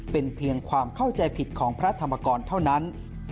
เป็นเพียงความเข้าใจผิดของพระธรรมกรเท่านั้น